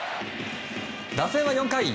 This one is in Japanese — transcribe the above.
打線は４回。